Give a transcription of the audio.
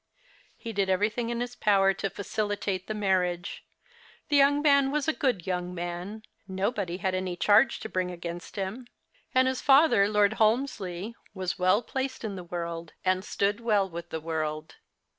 He did everything in his power to facilitate the marriage. The young man was a good young man. Nobody had any charge to bring against him ; and his 68 The Christmas Hirelings. father, Lord Holmsley, was well placed in the world, and stood well with the world.